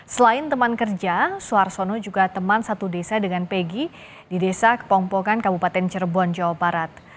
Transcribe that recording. selain teman kerja suarsono juga teman satu desa dengan pegi di desa kepompokan kabupaten cirebon jawa barat